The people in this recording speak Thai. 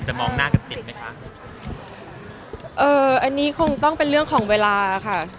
มองหน้ากันติดไหมคะเอ่ออันนี้คงต้องเป็นเรื่องของเวลาค่ะ